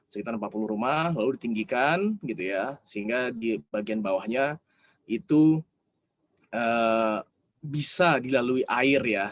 sekitar empat puluh rumah lalu ditinggikan gitu ya sehingga di bagian bawahnya itu bisa dilalui air ya